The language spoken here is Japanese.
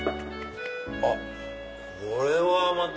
あっこれはまた。